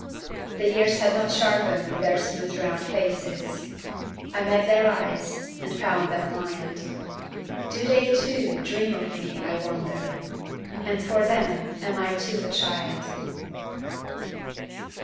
The years had not sharpened their smooth round faces, I met their eyes and found them mild Do they, too, dream of me, I wonder, And for them am I too a child?